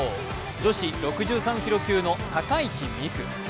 女子６３キロ級の高市未来。